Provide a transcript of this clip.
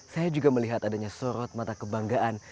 saya juga melihat adanya sorot mata kebanggaan